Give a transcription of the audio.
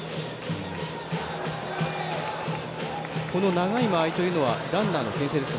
長い間合いというのはランナーのけん制ですか？